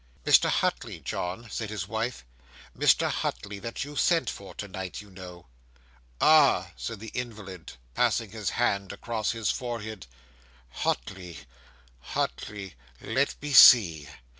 '"Mr. Hutley, John," said his wife; "Mr. Hutley, that you sent for to night, you know." '"Ah!" said the invalid, passing his hand across his forehead; "Hutley Hutley let me see."